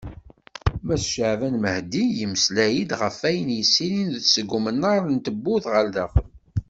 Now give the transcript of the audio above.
Mass Caɛban Mahdi, yemmeslay-d ɣef wayen yettilin seg umnar n tewwurt ɣer daxel.